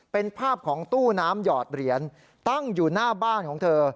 เป็นภาพของตู้น้ำหยอดเหรียญตั้งอยู่หน้าบ้านของเธอ